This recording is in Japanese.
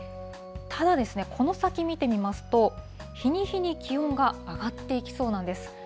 ただですね、この先見てみますと、日に日に気温が上がっていきそうなんです。